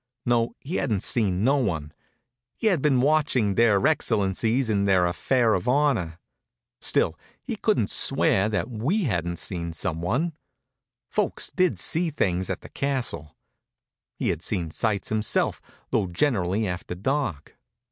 No, he hadn't seen no one. He had been watching their excellencies in their little affair of honor. Still, he couldn't swear that we hadn't seen some one. Folks did see things at the castle; he had seen sights himself, though generally after dark.